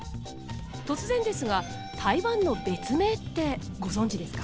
突然ですが台湾の別名ってご存じですか？